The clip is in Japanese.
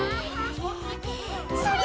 それ！